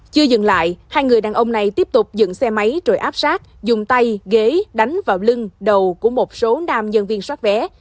chưa dừng lại hai người đàn ông này tiếp tục dựng xe máy rồi áp sát dùng tay ghế đánh vào lưng đầu của một số nam nhân viên xoát vé